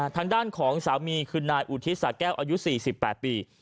ทางด้านของสามีคือนายอุทิศสาแก้วอายุ๔๘ปี